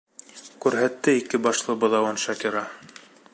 Күрһәтте ике башлы быҙауын Шакира.